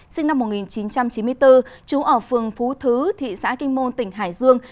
sinh năm một nghìn chín trăm chín mươi bốn trú ở phường phú thứ thị xã kinh môn tỉnh hải dương